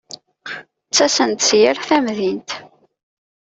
Ttasen-d si yal tamdint.